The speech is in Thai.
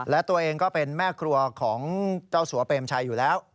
และตัวเองก็เป็นแม่ครัวของเจ้าสัวเปรมชัยอยู่แล้ว